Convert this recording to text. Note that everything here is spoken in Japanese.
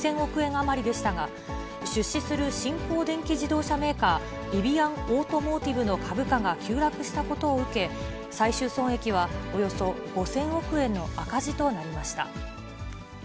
余りでしたが、出資する新興電気自動車メーカー、リビアン・オートモーティブの株価が急落したことを受け、最終損益はおよそ５０００億円の赤字となりました。